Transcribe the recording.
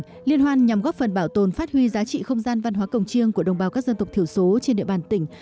tuy nhiên liên hoan nhằm góp phần bảo tồn phát huy giá trị không gian văn hóa cổng chiêng của đồng bào các dân tộc thiểu số trên địa bàn tỉnh